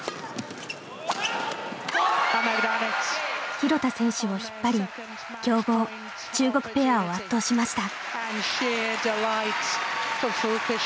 廣田選手を引っ張り強豪中国ペアを圧倒しました。